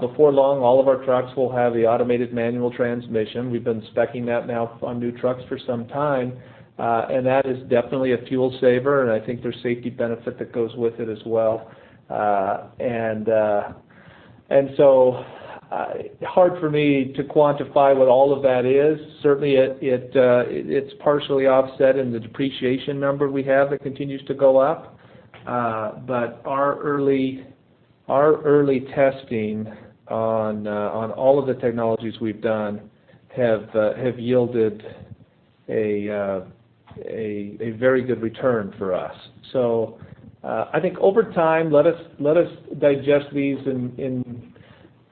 Before long, all of our trucks will have the automated manual transmission. We've been speccing that now on new trucks for some time. And that is definitely a fuel saver, and I think there's safety benefit that goes with it as well. And so, hard for me to quantify what all of that is. Certainly, it's partially offset in the depreciation number we have that continues to go up. But our early testing on all of the technologies we've done have yielded a very good return for us. So, I think over time, let us digest these in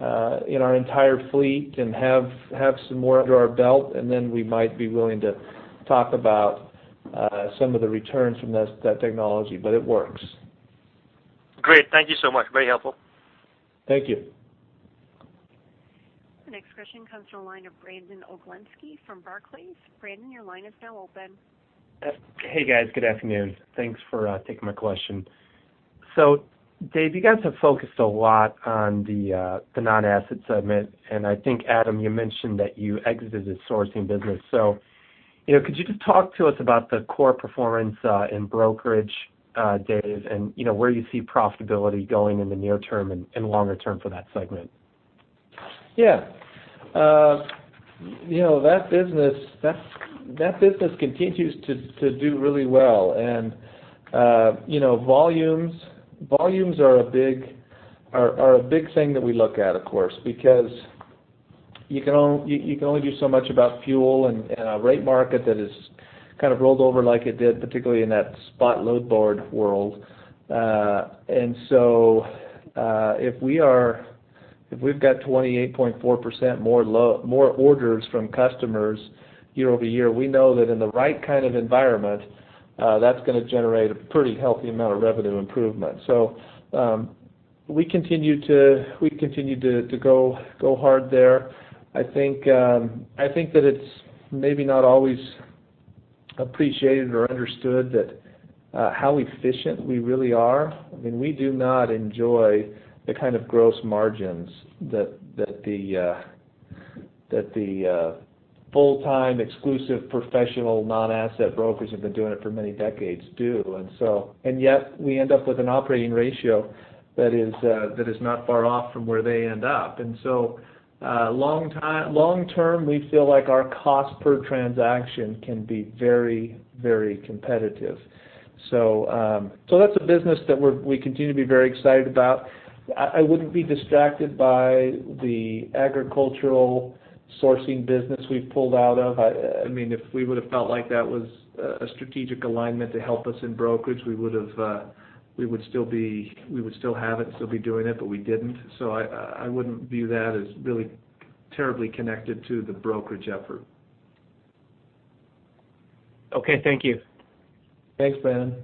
our entire fleet and have some more under our belt, and then we might be willing to talk about some of the returns from this, that technology, but it works. Great. Thank you so much. Very helpful. Thank you. The next question comes from the line of Brandon Oglenski from Barclays. Brandon, your line is now open. Hey, guys. Good afternoon. Thanks for taking my question. So Dave, you guys have focused a lot on the non-asset segment, and I think, Adam, you mentioned that you exited the sourcing business. So, you know, could you just talk to us about the core performance in brokerage, Dave, and you know, where you see profitability going in the near term and longer term for that segment? Yeah. You know, that business continues to do really well. And, you know, volumes are a big thing that we look at, of course, because you can only do so much about fuel and a rate market that is kind of rolled over like it did, particularly in that spot load board world. And so, if we've got 28.4% more orders from customers year-over-year, we know that in the right kind of environment, that's gonna generate a pretty healthy amount of revenue improvement. So, we continue to go hard there. I think that it's maybe not always appreciated or understood that how efficient we really are. I mean, we do not enjoy the kind of gross margins that the full-time, exclusive, professional, non-asset brokers have been doing it for many decades do. And so- and yet, we end up with an operating ratio that is not far off from where they end up. And so, long term, we feel like our cost per transaction can be very, very competitive. So, that's a business that we continue to be very excited about. I wouldn't be distracted by the agricultural sourcing business we've pulled out of. I mean, if we would've felt like that was a strategic alignment to help us in brokerage, we would have, we would still have it and still be doing it, but we didn't. So I wouldn't view that as really terribly connected to the brokerage effort. Okay. Thank you. Thanks, Brandon.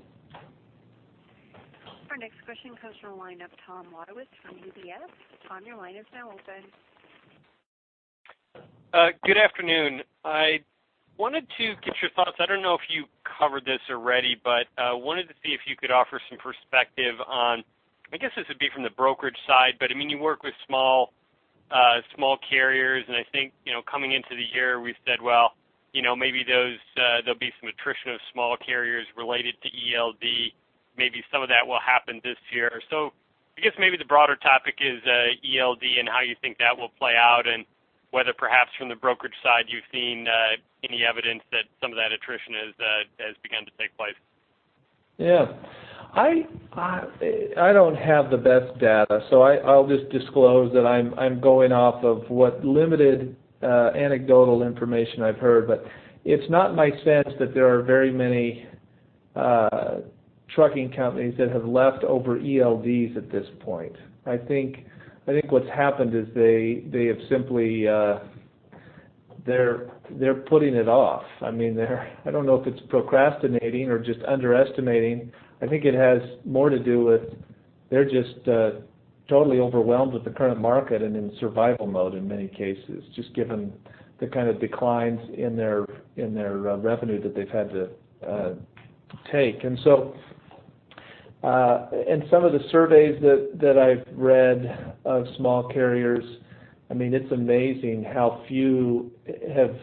Our next question comes from the line of Tom Wadewitz from UBS. Tom, your line is now open. Good afternoon. I wanted to get your thoughts... I don't know if you covered this already, but wanted to see if you could offer some perspective on, I guess, this would be from the brokerage side, but I mean, you work with small, small carriers, and I think, you know, coming into the year, we've said, well, you know, maybe those, there'll be some attrition of small carriers related to ELD. Maybe some of that will happen this year. So I guess maybe the broader topic is, ELD and how you think that will play out, and whether perhaps from the brokerage side, you've seen, any evidence that some of that attrition has, has begun to take place. Yeah. I, I don't have the best data, so I, I'll just disclose that I'm, I'm going off of what limited, anecdotal information I've heard. But it's not my sense that there are very many, trucking companies that have left over ELDs at this point. I think, I think what's happened is they, they have simply, they're, they're putting it off. I mean, they're I don't know if it's procrastinating or just underestimating. I think it has more to do with, they're just, totally overwhelmed with the current market and in survival mode in many cases, just given the kind of declines in their, in their, revenue that they've had to, take. And so, and some of the surveys that, that I've read of small carriers, I mean, it's amazing how few have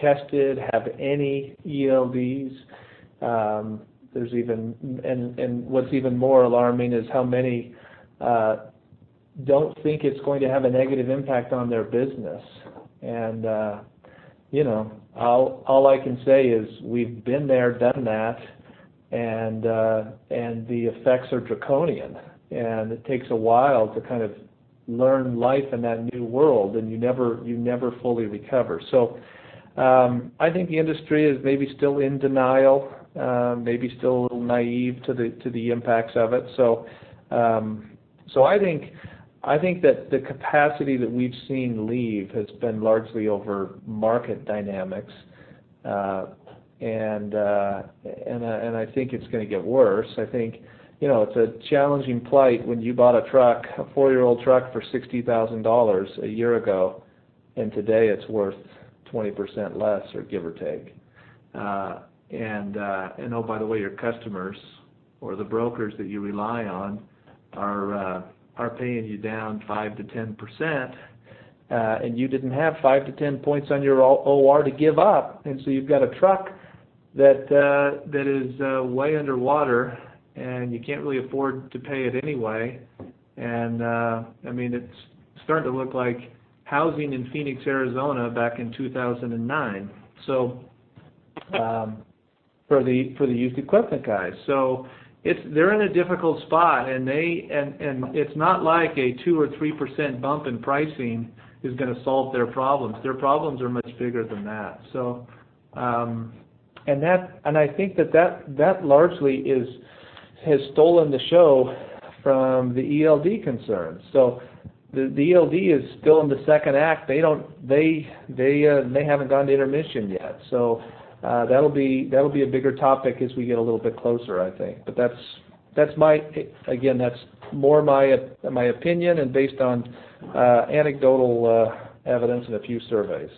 tested, have any ELDs. There's even... What's even more alarming is how many don't think it's going to have a negative impact on their business. You know, all I can say is we've been there, done that, and the effects are draconian, and it takes a while to kind of learn life in that new world, and you never fully recover. So, I think the industry is maybe still in denial, maybe still a little naive to the impacts of it. So, I think that the capacity that we've seen leave has been largely over market dynamics. And I think it's gonna get worse. I think, you know, it's a challenging plight when you bought a truck, a four-year-old truck, for $60,000 a year ago, and today it's worth 20% less, or give or take. And, oh, by the way, your customers or the brokers that you rely on are paying you down 5%-10%, and you didn't have 5-10 points on your OR to give up. And so you've got a truck that is way underwater, and you can't really afford to pay it anyway. And, I mean, it's starting to look like housing in Phoenix, Arizona, back in 2009. So, for the used equipment guys. So it's—they're in a difficult spot, and they—and it's not like a 2 or 3% bump in pricing is gonna solve their problems. Their problems are much bigger than that. So, and that—and I think that that largely is, has stolen the show from the ELD concerns. So the ELD is still in the second act. They don't... They, they, they haven't gone to intermission yet. So, that'll be, that'll be a bigger topic as we get a little bit closer, I think. But that's, that's my, again, that's more my opinion and based on, anecdotal evidence and a few surveys,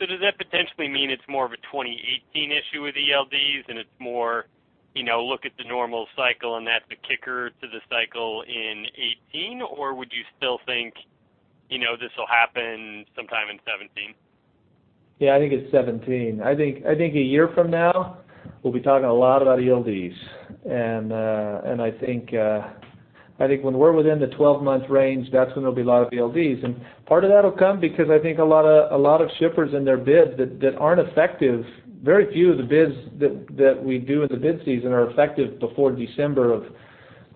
so. So, so does that potentially mean it's more of a 2018 issue with ELDs, and it's more, you know, look at the normal cycle, and that's the kicker to the cycle in 2018? Or would you still think, you know, this will happen sometime in 2017? Yeah, I think it's 17. I think a year from now, we'll be talking a lot about ELDs. And I think when we're within the 12-month range, that's when there'll be a lot of ELDs. And part of that will come because I think a lot of shippers in their bids that aren't effective. Very few of the bids that we do in the bid season are effective before December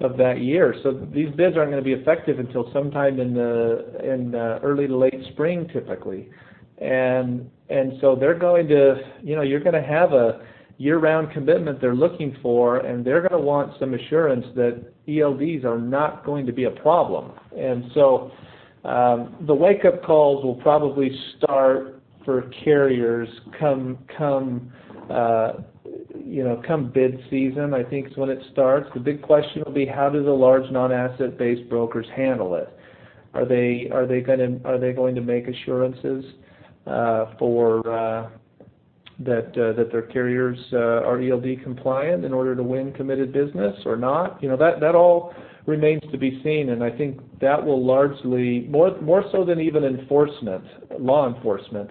of that year. So these bids aren't going to be effective until sometime in the early to late spring, typically. And so they're going to... You know, you're gonna have a year-round commitment they're looking for, and they're gonna want some assurance that ELDs are not going to be a problem. And so, the wake-up calls will probably start for carriers, you know, come bid season, I think is when it starts. The big question will be: How do the large non-asset-based brokers handle it? Are they going to make assurances for that their carriers are ELD compliant in order to win committed business or not? You know, that all remains to be seen, and I think that will largely, more so than even enforcement, law enforcement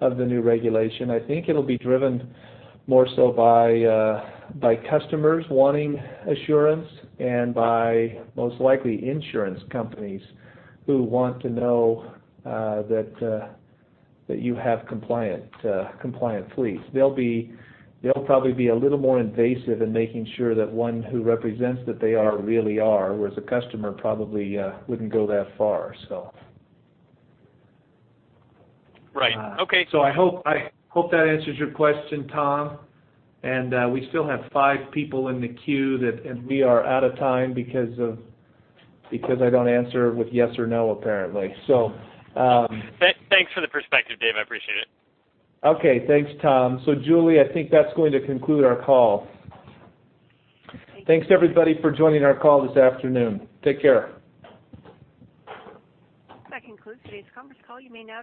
of the new regulation, I think it'll be driven more so by customers wanting assurance and by, most likely, insurance companies who want to know that you have compliant fleets. They'll probably be a little more invasive in making sure that one who represents that they are really are, whereas a customer probably wouldn't go that far, so. Right. Okay. So I hope, I hope that answers your question, Tom. And, we still have five people in the queue that, and we are out of time because of, because I don't answer with yes or no, apparently. So, Thanks for the perspective, Dave. I appreciate it. Okay. Thanks, Tom. Julie, I think that's going to conclude our call. Thank you. Thanks, everybody, for joining our call this afternoon. Take care. That concludes today's conference call. You may now disconnect.